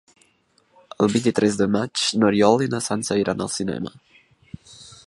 El vint-i-tres de maig n'Oriol i na Sança iran al cinema.